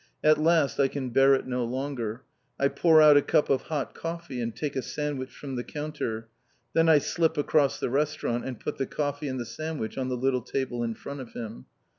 At last I can bear it no longer. I pour out a cup of hot coffee, and take a sandwich from the counter. Then I slip across the Restaurant, and put the coffee and the sandwich on the little table in front of him.